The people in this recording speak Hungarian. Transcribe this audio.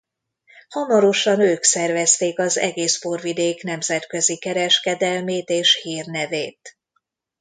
Hamarosan ők szervezték az egész borvidék nemzetközi kereskedelmét és hírnevét.